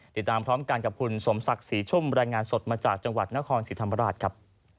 ติดตามพร้อมกันกับคุณสมศักดิ์ศรีชุ่มรายงานสดมาจากจังหวัดนครศรีธรรมราชครับ